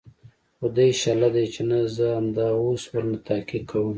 خو دى شله ديه چې نه زه همدا اوس ورنه تحقيق کوم.